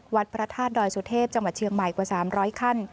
พระธาตุดอยสุเทพจังหวัดเชียงใหม่กว่า๓๐๐ขั้น